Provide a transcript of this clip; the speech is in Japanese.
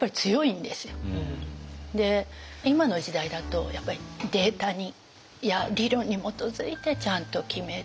今の時代だとやっぱりデータや理論に基づいてちゃんと決める。